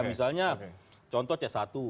misalnya contoh c satu